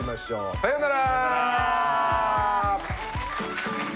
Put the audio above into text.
さよなら。